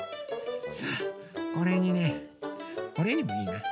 さあこれにねオレンジいいな。